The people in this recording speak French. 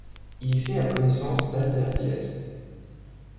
Il y fait la connaissance d'Albert Gleizes.